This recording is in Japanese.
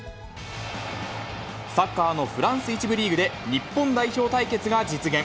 サッカーのフランス１部リーグで日本代表対決が実現。